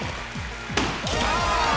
きた！